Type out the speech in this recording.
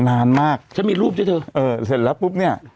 นานมากฉันมีรูปด้วยเธอเออเสร็จแล้วปุ๊บเนี่ย